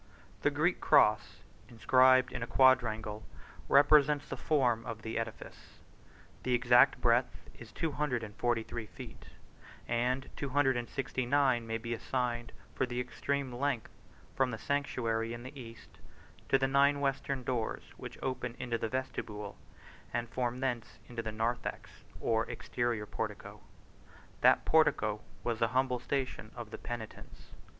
A Greek cross, inscribed in a quadrangle, represents the form of the edifice; the exact breadth is two hundred and forty three feet, and two hundred and sixty nine may be assigned for the extreme length from the sanctuary in the east, to the nine western doors, which open into the vestibule, and from thence into the narthex or exterior portico. That portico was the humble station of the penitents.